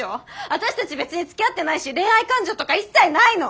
私たち別につきあってないし恋愛感情とか一切ないの！